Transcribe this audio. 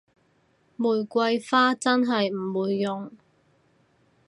玫瑰花真係唔會用